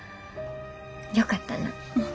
よかったな。